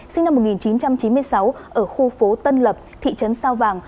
sinh năm một nghìn chín trăm chín mươi sáu ở khu phố tân lập thị trấn sao vàng